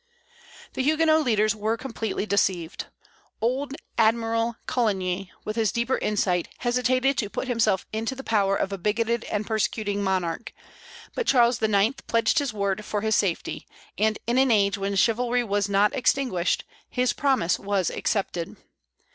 The Huguenot leaders were completely deceived. Old Admiral Coligny, with his deeper insight, hesitated to put himself into the power of a bigoted and persecuting monarch; but Charles IX. pledged his word for his safety, and in an age when chivalry was not extinguished, his promise was accepted.